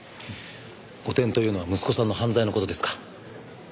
汚点というのは息子さんの犯罪の事ですか？